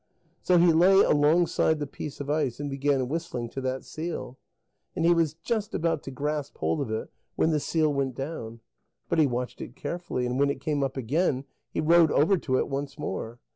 So he lay alongside the piece of ice, and began whistling to that seal. And he was just about to grasp hold of it when the seal went down. But he watched it carefully, and when it came up again, he rowed over to it once more.